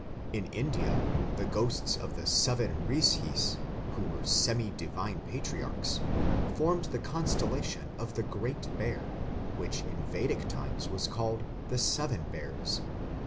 In India the ghosts of the "seven Rishis", who were semi divine Patriarchs, formed the constellation of the Great Bear, which in Vedic times was called the "seven bears".